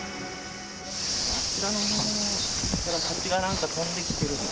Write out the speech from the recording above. あちらのほうからハチがなんか飛んできてるって。